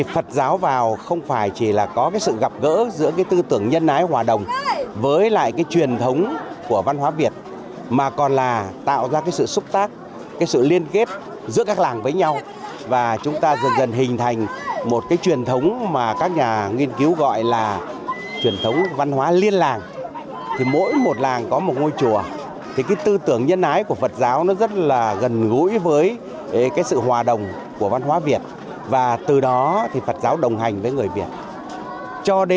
phật giáo vào không phải chỉ là có cái sự gặp gỡ giữa cái tư tưởng nhân ái hòa đồng với lại cái truyền thống của văn hóa việt mà còn là tạo ra cái sự xúc tác cái sự liên kết giữa các làng với nhau và chúng ta dần dần hình thành một cái truyền thống mà các nhà nghiên cứu gọi là truyền thống văn hóa liên làng thì mỗi một làng có một ngôi chùa thì cái tư tưởng nhân ái của phật giáo nó rất là gần gũi với cái sự hòa đồng của văn hóa việt và từ đó thì phật giáo được tạo ra một cái tư tưởng nhân ái hòa đồng với lại cái truyền thống của văn hóa việt